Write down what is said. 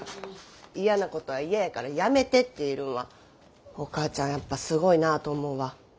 嫌なことは嫌やからやめてって言えるんはお母ちゃんやっぱすごいなと思うわ。